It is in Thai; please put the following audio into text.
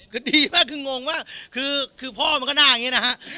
คือดีมากคืองงว่าคือพ่อมันก็หน้าอย่างนี้นะฮะ